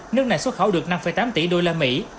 nước này xuất khẩu được năm tám tỷ đô la mỹ